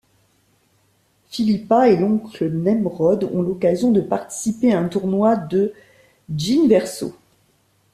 Philippa et l'oncle Nemrod ont l'occasion de participer à un tournoi de djinnverso.